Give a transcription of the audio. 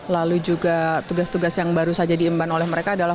lalu juga tugas tugas yang baru saja diemban oleh mereka adalah